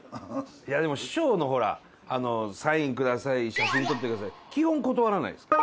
いやでも師匠のほらあの「サインください」「写真撮ってください」基本断らないですか？